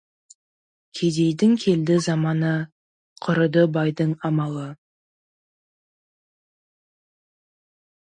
Кедейдің келді заманы, құрыды байдың амалы.